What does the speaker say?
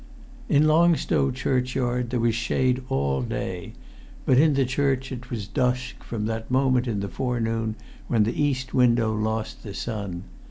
In Long Stow churchyard there was shade all day, but in the church it was dusk from that moment in the forenoon when the east window lost the sun.